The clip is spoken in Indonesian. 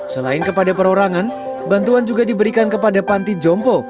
selain kepada perorangan bantuan juga diberikan kepada panti jompo